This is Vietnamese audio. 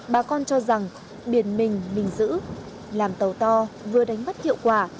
bà con cho rằng biển mình mình giữ làm tàu to vừa đánh bắt hiệu quả